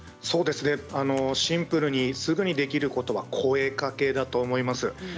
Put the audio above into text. シンプルにすぐにできることは声かけだと思います。